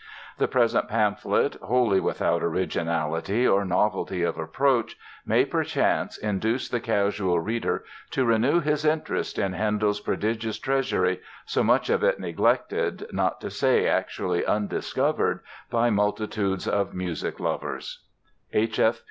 The present pamphlet, wholly without originality or novelty of approach, may, perchance, induce the casual reader to renew his interest in Handel's prodigious treasury, so much of it neglected, not to say actually undiscovered by multitudes of music lovers. H.